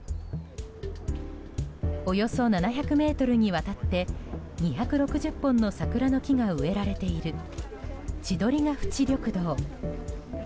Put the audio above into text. およそ７００ｍにわたって２６０本の桜の木が植えられている千鳥ヶ淵緑道。